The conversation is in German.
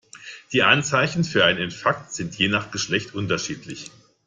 Die Anzeichen für einen Infarkt sind je nach Geschlecht unterschiedlich.